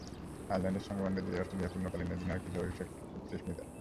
আয়ারল্যান্ডের সঙ্গে ওয়ানডে দিয়েই অস্ট্রেলিয়ার পূর্ণকালীন অধিনায়ক হিসেবে অভিষেক হচ্ছে স্মিথের।